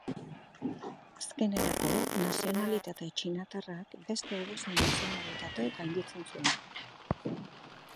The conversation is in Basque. Azkenerako, nazionalitate txinatarrak beste edozein nazionalitate gainditzen zuen.